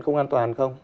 không an toàn không